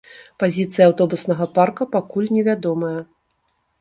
Пазіцыя аўтобуснага парка пакуль невядомая.